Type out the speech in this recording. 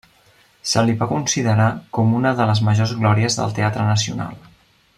Se li va considerar com una de les majors glòries del teatre Nacional.